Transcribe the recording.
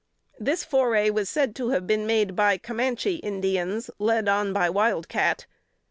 This foray was said to have been made by Camanche Indians, led on by Wild Cat.